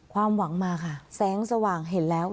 ความหวังมาค่ะแสงสว่างเห็นแล้ว